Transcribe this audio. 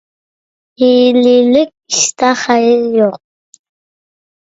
ھىيلىلىك ئىشتا خەير يوق.